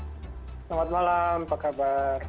selamat malam apa kabar